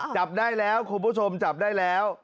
จับได้แล้วคุณผู้ชมจับได้แล้ว